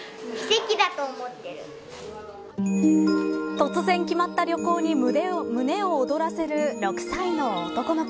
突然決まった旅行に胸を躍らせる６歳の男の子。